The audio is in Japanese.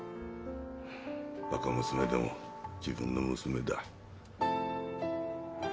バカ娘でも自分の娘だ。